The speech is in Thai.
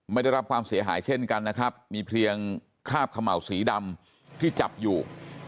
ได้รับความเสียหายเช่นกันนะครับมีเพียงคราบเขม่าวสีดำที่จับอยู่